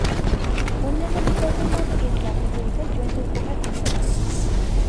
অন্যান্য বিকল্পের মত এর ‘‘প্লাসেবো ইফেক্ট’’ জনিত উপকার থাকতে পারে।